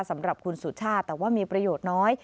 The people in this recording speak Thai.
สำหรับคุณสุชาติแต่ว่ามีประโยชน์น้อย